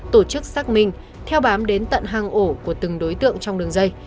tổ chức xác minh theo bám đến tận hàng ổ của từng đối tượng trong đường dây